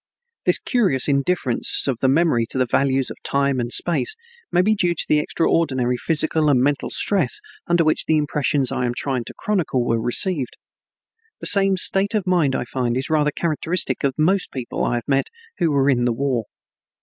This curious indifference of the memory to values of time and space may be due to the extraordinary physical and mental stress under which the impressions I am trying to chronicle were received. The same state of mind I find is rather characteristic of most people I have met who were in the war.